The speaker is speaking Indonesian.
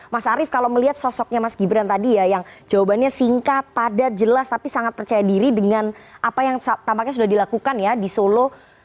mas arief kalau melihat sosoknya mas gibran tadi ya yang jawabannya singkat padat jelas tapi sangat percaya diri dengan apa yang tampaknya sudah dilakukan ya di solo